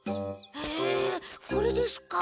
へえこれですか。